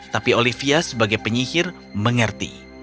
tapi olivia sebagai penyihir mengerti